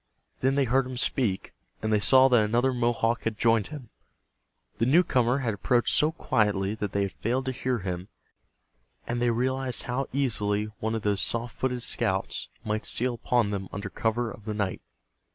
Then they heard him speak, and they saw that another Mohawk had joined him. The newcomer had approached so quietly that they had failed to hear him, and they realized how easily one of those soft footed scouts might steal upon them under cover of the night.